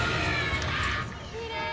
きれい！